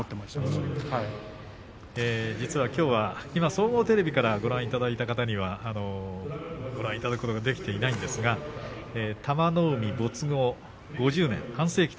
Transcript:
実はきょうは総合テレビからご覧いただいた方にはご覧いただくことができていないんですが玉の海没後５０年。